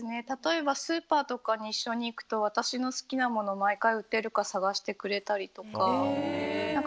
例えばスーパーとかに一緒に行くと私の好きなものを毎回売っているか探してくれたりとか。